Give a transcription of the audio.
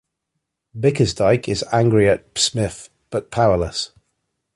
Bickersdyke is angry at Psmith, but powerless.